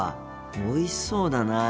おいしそうだなあ。